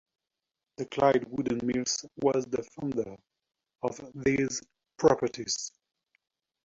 The Clyde Woolen Mills was the founder of these properties.